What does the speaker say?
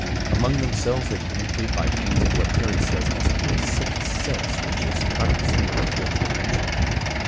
Among themselves they communicate by means of what Perry says must be a sixth sense which is cognizant of a fourth dimension.